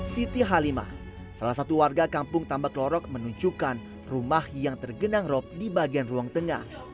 siti halimah salah satu warga kampung tambak lorok menunjukkan rumah yang tergenang rop di bagian ruang tengah